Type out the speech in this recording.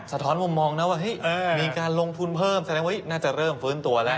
ท้อนมุมมองนะว่ามีการลงทุนเพิ่มแสดงว่าน่าจะเริ่มฟื้นตัวแล้ว